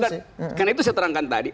bukan bukan karena itu saya terangkan tadi